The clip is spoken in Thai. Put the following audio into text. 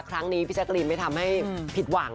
ครั้งนี้พี่แจ๊กรีนไม่ทำให้ผิดหวัง